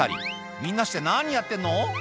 みんなして何やってんの？